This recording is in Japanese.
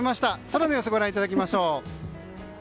空の様子、ご覧いただきましょう。